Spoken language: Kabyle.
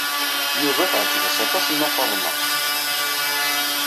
Yuba teɛjeb-as aṭas Nna Faḍma.